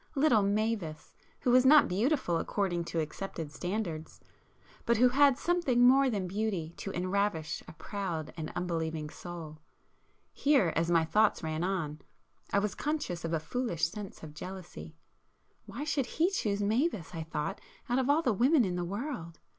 —little Mavis, who was not beautiful according to accepted standards, but who had something more than beauty to enravish a proud and unbelieving soul,—here, as my thoughts ran on, I was conscious of a foolish sense of jealousy,—why should he choose Mavis, I thought, out of all [p 345] women in the world?